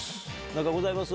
何かございます？